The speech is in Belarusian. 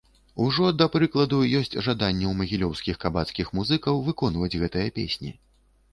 Ужо, да прыкладу, ёсць жаданне ў магілёўскіх кабацкіх музыкаў выконваць гэтыя песні.